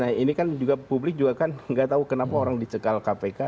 nah ini kan juga publik juga kan nggak tahu kenapa orang dicekal kpk